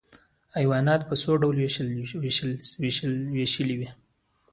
حیوانات په څو ډلو ویشل شوي؟